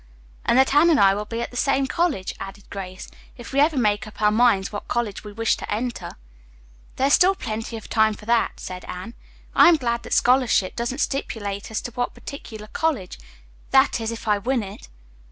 "And that Anne and I will be at the same college," added Grace, "if we ever make up our minds what college we wish to enter." "There is still plenty of time for that," said Anne. "I am glad that scholarship doesn't stipulate as to what particular college that is, if I win it."